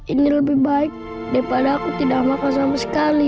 ini lebih baik daripada aku tidak makan sama sekali